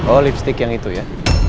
oh lipstick yang itu ya